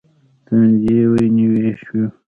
تندی یې ویني شو .